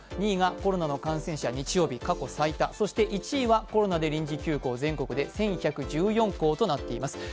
２位がコロナの感染者、日曜日過去最多、そして１位はコロナで臨時休校、全国で１１１４校となっています。